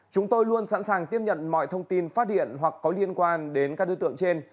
chúng tôi luôn sẵn sàng tiếp nhận mọi thông tin phát điện hoặc có liên quan đến các đối tượng trên